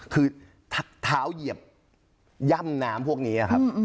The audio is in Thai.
คือทักเท้าเหยียบย่ำน้ำพวกนี้ครับ